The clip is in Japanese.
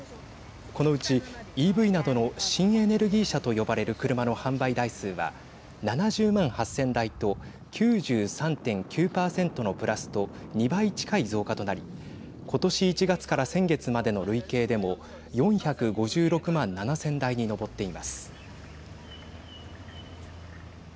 このうちＥＶなどの新エネルギー車と呼ばれる車の販売台数は７０万８０００台と９３．９％のプラスと２倍近い増加となり今年１月から先月までの累計でも４５６万７０００台に上っています。